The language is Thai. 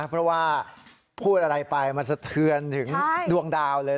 เพราะว่าพูดอะไรไปมันสะเทือนถึงดวงดาวเลย